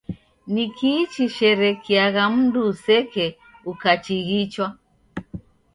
Nikii chishekeriagha mndu useke ukachighichwa?